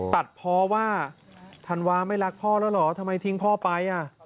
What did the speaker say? ตัดเพราะว่าธันวาไม่รักพ่อแล้วเหรอทำไมทิ้งพ่อไป